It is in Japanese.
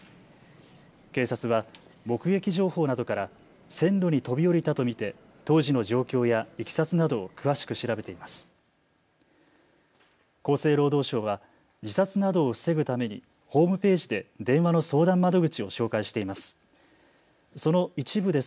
警察は目撃情報などから線路に飛び降りたと見て当時の状況やいきさつなどを詳しく調べています。